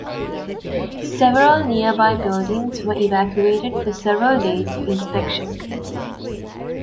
Several nearby buildings were evacuated for several days for inspection.